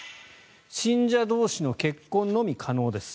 信者同士の結婚のみ可能です。